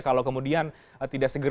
kalau kemudian tidak segera